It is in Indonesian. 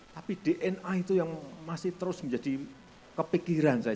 tapi dna itu yang masih terus menjadi kepikiran saya